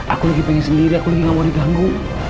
aku lagi pengen sendiri aku lagi gak mau diganggu